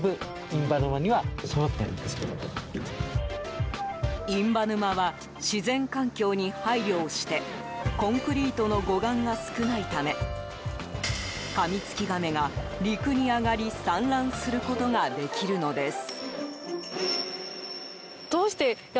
印旛沼は自然環境に配慮をしてコンクリートの護岸が少ないためカミツキガメが陸に上がり産卵することができるのです。